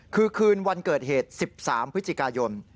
คือคืนวันเกิดเหตุ๑๓พฤศจิกายน